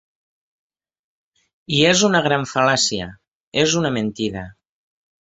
I és una gran fal·làcia, és una mentida.